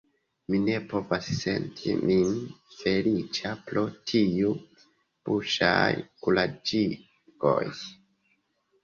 Mi ne povas senti min feliĉa pro tiuj buŝaj kuraĝigoj.